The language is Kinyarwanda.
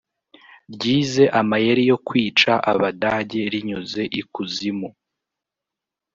ryize amayeri yo kwica Abadage rinyuze ikuzimu